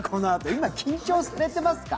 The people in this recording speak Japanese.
今、緊張されてますか？